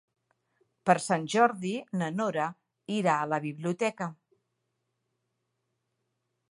Per Sant Jordi na Nora irà a la biblioteca.